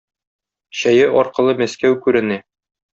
Чәе аркылы Мәскәү күренә.